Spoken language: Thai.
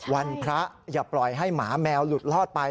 วันพระอย่าปล่อยให้หมาแมวหลุดลอดไป